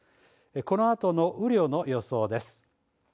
このあとの雨量の予想です。